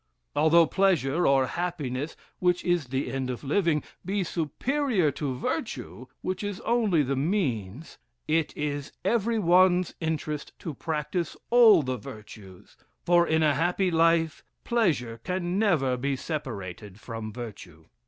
Although pleasure, or happiness, which is the end of living, be superior to virtue, which is only the means, it is every one's interest to practice all the virtues; for in a happy life, pleasure can never be separated from virtue.